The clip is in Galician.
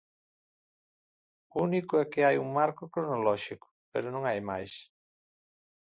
O único é que hai é un marco cronolóxico, pero non hai máis.